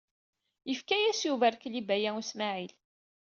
Yefka-yas Yuba rrkel i Baya U Smaɛil.